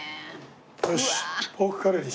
よし。